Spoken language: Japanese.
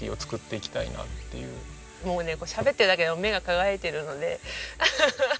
もうねしゃべってるだけで目が輝いているのでアハハッ。